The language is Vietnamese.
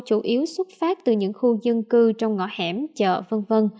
chủ yếu xuất phát từ những khu dân cư trong ngõ hẻm chợ v v